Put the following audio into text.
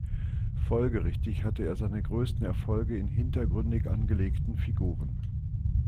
Folgerichtig hatte er seine größten Erfolge in hintergründig angelegten Figuren.